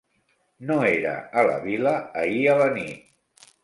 No era a la vil·la ahir a la nit.